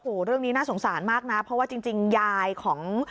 โอ้โหเรื่องนี้น่าสงสารมากนะเพราะว่าจริงยายของ